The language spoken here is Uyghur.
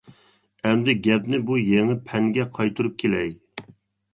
ئەمدى گەپنى بۇ يېڭى پەنگە قايتۇرۇپ كېلەي.